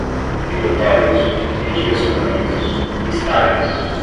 diretórios, redirecionamentos, listagens